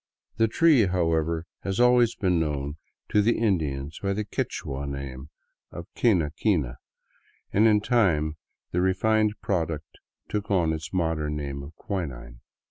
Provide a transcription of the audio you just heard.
The tree, however, has always been known to the In 205 VAGABONDING DOWN THE ANDES dians by the Quichua name of " quina quina," and in time the refined product took on its modern name of quinine.